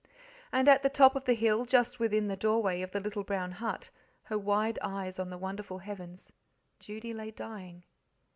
And at the top of the hill, just within the doorway of the little brown hut, her wide eyes on the wonderful heavens, Judy lay dying.